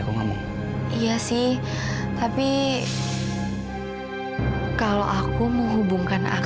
mungkin kamu akan pengen one box